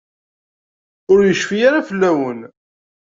Ur yecfi ara fell-awen.